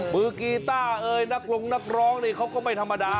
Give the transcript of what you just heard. มือกีตาร์นักร้องเขาก็ไม่ธรรมดา